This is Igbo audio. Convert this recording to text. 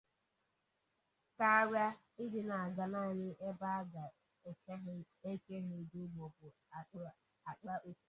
karịa ịdị na-aga naanị ebe a ga-eke ha ego maọbụ akpa osikapa